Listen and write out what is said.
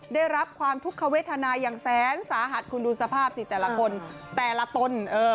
ได้รับความทุกขเวทนาอย่างแสนสาหัสคุณดูสภาพสิแต่ละคนแต่ละตน